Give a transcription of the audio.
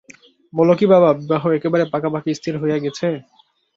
বল কী বাবা, বিবাহ একেবারে পাকাপাকি স্থির হইয়া গেছে?